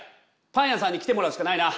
パン屋さんに来てもらうしかないな。